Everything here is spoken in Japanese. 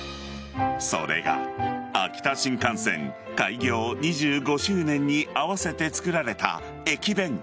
それが秋田新幹線開業２５周年に合わせて作られた駅弁。